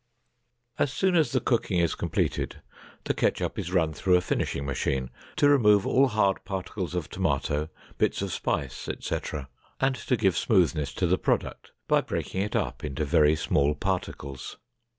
As soon as the cooking is completed, the ketchup is run through a finishing machine to remove all hard particles of tomato, bits of spice, etc., and to give smoothness to the product by breaking it up into very small particles.